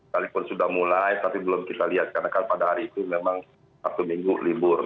kali pun sudah mulai tapi belum kita lihat karena pada hari itu memang sabtu minggu libur